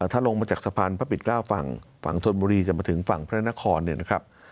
ถ้าลงมาจากสะพานพระปิ่นเกล้าฝั่งฝั่งธนบุรีจะมาถึงฝั่งพระนครเนี่ยนะครับ